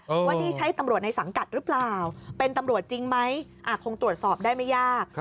ว่านี่ใช่ตำรวจในสังกัดหรือเปล่าเป็นตำรวจจริงไหมคงตรวจสอบได้ไม่ยาก